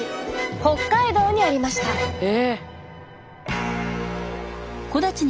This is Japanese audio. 北海道にありました。え？